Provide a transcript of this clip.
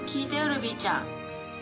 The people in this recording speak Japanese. ルビーちゃん。